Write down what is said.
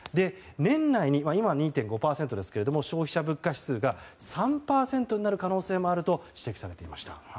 年内に、今は２．５％ですが消費者物価指数が３％になる可能性もあると指摘されていました。